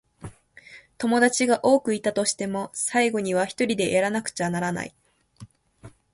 友達が多くいたとしても、最後にはひとりでやらなくちゃならない。